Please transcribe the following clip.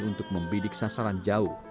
untuk membidik sasaran jauh